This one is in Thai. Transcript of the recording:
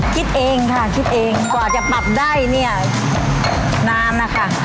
คิดเองค่ะคิดเองกว่าจะปรับได้เนี่ยนานนะคะ